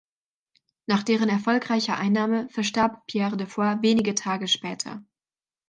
Nach deren erfolgreicher Einnahme verstarb Pierre de Foix wenige Tage später.